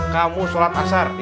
kamu sholat asar